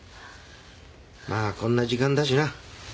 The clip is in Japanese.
まあこんな時間だしな。